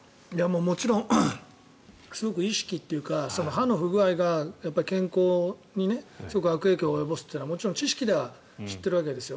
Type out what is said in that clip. もちろんすごく意識というか歯の不具合が健康にすごく悪影響を及ぼすというのは知識としては知っているわけですよ。